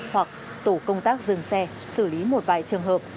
hoặc tổ công tác dừng xe xử lý một vài trường hợp